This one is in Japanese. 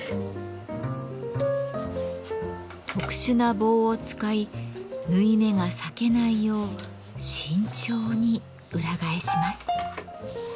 特殊な棒を使い縫い目が裂けないよう慎重に裏返します。